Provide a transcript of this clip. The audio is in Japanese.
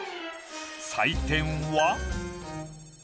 採点は。